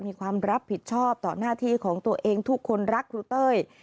มีความรับผิดชอบต่อหน้าที่ของตัวเองทุกคนรักครูเต้ย